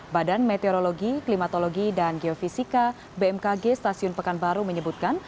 badan meteorologi klimatologi dan geofisika bmkg stasiun pekanbaru menyebutkan